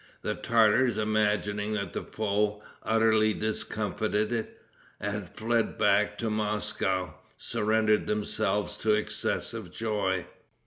The Tartars, imagining that the foe, utterly discomfited, had fled back to Moscow, surrendered themselves to excessive joy.